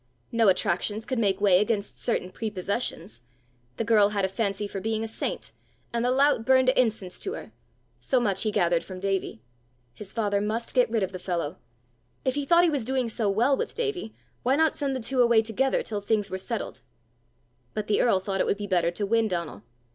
No attractions could make way against certain prepossessions! The girl had a fancy for being a saint, and the lout burned incense to her! So much he gathered from Davie. His father must get rid of the fellow! If he thought he was doing so well with Davie, why not send the two away together till things were settled? But the earl thought it would be better to win Donal.